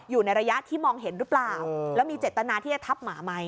อยู่ในระยะที่มองเห็นหรือเปล่าแล้วมีเจตนาที่จะทับหมาไหม